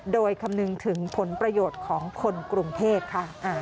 โดยคำนึงถึงผลประโยชน์ของคนกรุงเทพค่ะ